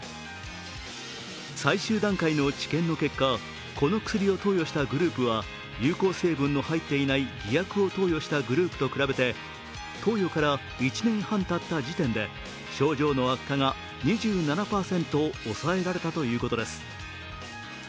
最終段階の治験の結果この薬を投与したグループは有効成分の入っていない偽薬を投与したグループと比べて投与から１年半たった時点で症状の悪化が２７％抑えられたということです。